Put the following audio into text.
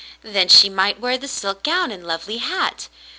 Then she might wear the silk gown and lovely hat.